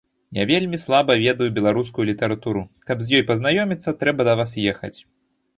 Я вельмі слаба ведаю беларускую літаратуру, каб з ёй пазнаёміцца, трэба да вас ехаць.